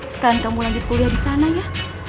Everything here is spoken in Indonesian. sekarang kamu lanjut kuliah di sana ya